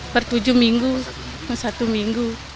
pertujuh minggu satu minggu